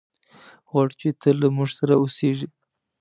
غواړو چې ته له موږ سره اوسېږي.